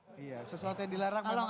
iya sesuatu yang dilarang memang